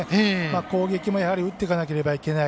攻撃も打っていかなければならない。